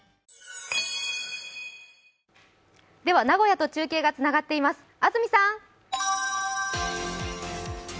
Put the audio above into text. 名古屋と中継がつながっています。